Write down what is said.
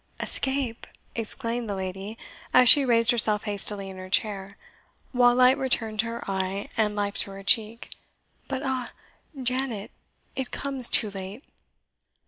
"Escape!" exclaimed the lady, as she raised herself hastily in her chair, while light returned to her eye and life to her cheek; "but ah! Janet, it comes too late."